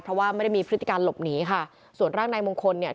เพราะว่าไม่ได้มีพฤติการหลบหนีค่ะส่วนร่างนายมงคลเนี่ย